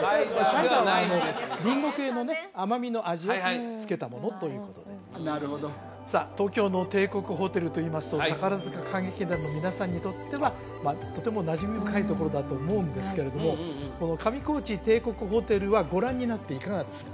サイダーはリンゴ系のね甘みの味をつけたものということでなるほどさあ東京の帝国ホテルといいますと宝塚歌劇団の皆さんにとってはとてもなじみ深いところだと思うんですけれどもこの上高地帝国ホテルはご覧になっていかがですか？